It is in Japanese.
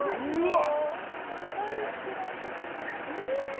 これ大好きなんです。